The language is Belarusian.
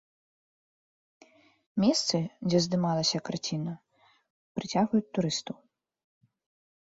Месцы, дзе здымалася карціна, прыцягваюць турыстаў.